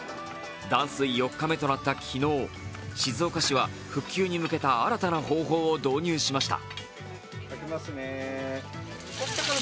断水４日目となった昨日、静岡市は復旧に向けた新たな方法を導入しました。